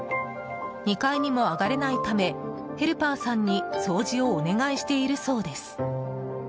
２階にも上がれないためヘルパーさんに掃除をお願いしているそうです。